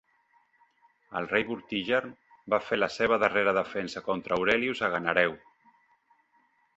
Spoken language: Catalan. El rei Vortigern va fer la seva darrera defensa contra Aurelius a Ganarew.